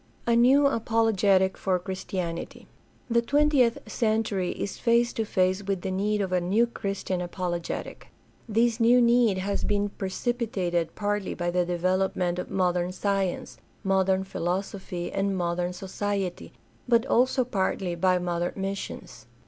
A new apologetic for Christianity. — The twentieth century is face to face with the need of a new Christian apologetic. THE DEVELOPMENT OF MODERN CHRISTIANITY 479 This new need has been precipitated partly by the develop ment of modern science, modern philosophy, and modern society, but also partly by modern missions.